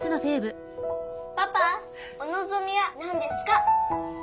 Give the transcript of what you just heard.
パパお望みは何ですか？